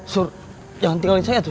sur jangan tinggalin saya sur